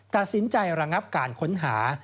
ตัดสินใจระงับการค้นหา